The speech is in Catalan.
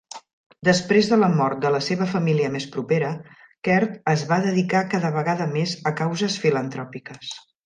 Després de la mort de la seva família més propera, Caird es va dedicar cada vegada més a causes filantròpiques.